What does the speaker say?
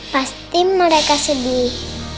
pasti mereka sedih